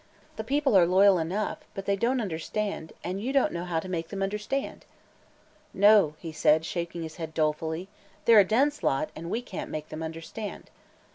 The people are loyal enough, but they don't understand, and you don't understand how to make them understand." "No," he said, shaking his head dolefully, "they're a dense lot, and we can't make them understand."